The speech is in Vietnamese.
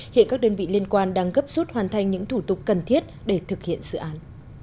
hiện các đơn vị liên quan đang gấp rút hoàn thành những thủ tục cần thiết để thực hiện dự án